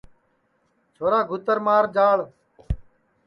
چھورا گھُوتر مار جاݪ